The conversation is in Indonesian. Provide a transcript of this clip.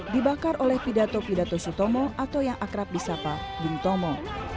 dibakar oleh pidato pidato sutomo atau yang akrab di sapa bung tomo